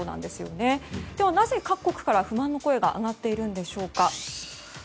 ではなぜ各国から不満の声が上がっているんでしょうか。